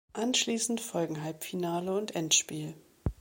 Anschließend folgen Halbfinale und Endspiel.